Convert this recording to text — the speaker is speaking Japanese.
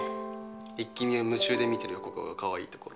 「イッキ見！」を夢中で見てる横顔がかわいいところ。